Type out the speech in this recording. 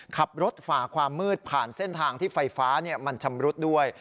ขับรถฝ่าความมืดผ่านเส้นทางที่ไฟฟ้ามันชำรุดด้วย